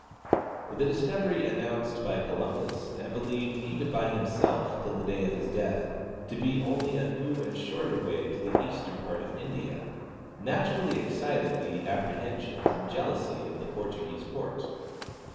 " The discovery announced by Columbus, and believed even b}^ himself till the day of his death to be only a new and shorter way to the eastern part of India, naturally excited the appre hensions and jealousy of the Portuguese court.